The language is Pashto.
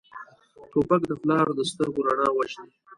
توپک د پلار د سترګو رڼا وژني.